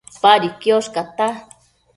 Padi quiosh cata